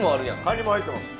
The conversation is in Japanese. カニも入ってます。